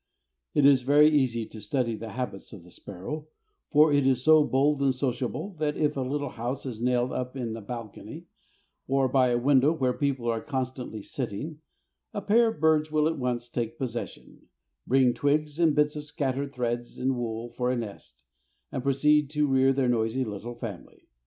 It is very easy to study the habits of the sparrow, for it is so bold and sociable that if a little house is nailed up in a balcony, or by a window where people are constantly sitting, a pair of birds will at once take possession, bring twigs and bits of scattered threads and wool for a nest, and proceed to rear their noisy little family.